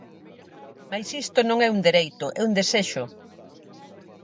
Mais isto non é un dereito, é un desexo.